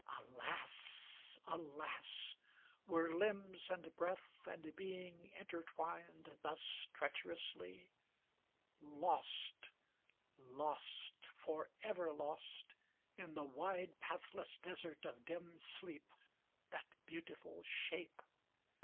Alas ! alas ! Were limbs and breath and being inter twined Thus treacherously ? Lost, lost, forever lost 209 In the wide pathless desert of dim sleep. That beautiful shape